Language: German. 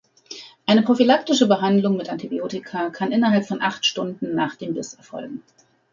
Eine prophylaktische Behandlung mit Antibiotika kann innerhalb von acht Stunden nach dem Biss erfolgen.